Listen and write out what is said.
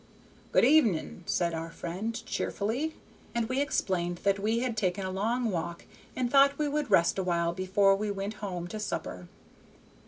"Good evenin'," said our friend, cheerfully. And we explained that we had taken a long walk and thought we would rest awhile before we went home to supper.